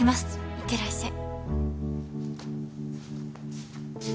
行ってらっしゃい